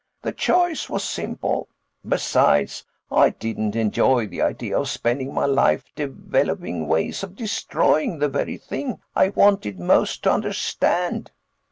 The choice was simple; besides, I didn't enjoy the idea of spending my life developing ways of destroying the very thing I wanted most to understand."